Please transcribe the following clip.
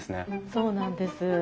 そうなんです。